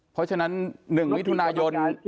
เพราะฉะนั้น๑มิถุนายน